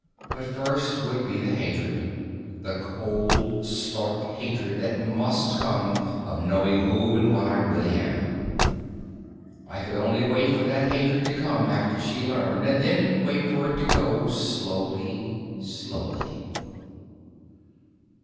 But first would be the hatred, the cold stark hatred that must come of knowing who and what I really am. I could only wait for that hatred to come after she learned, and then wait for it to go, slowly, slowly....